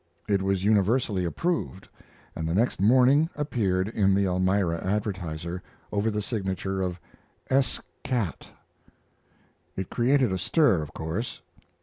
It was universally approved, and the next morning appeared in the Elmira Advertiser, over the signature of "S'cat." It created a stir, of course.